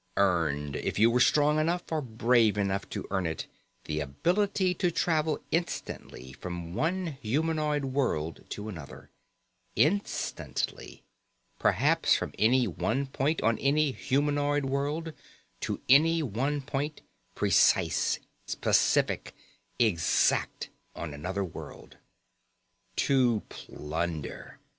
Earned if you were strong enough or brave enough to earn it the ability to travel instantly from one humanoid world to another. Instantly. Perhaps from any one point on any humanoid world to any one point, precise, specific, exact, on another world. To plunder.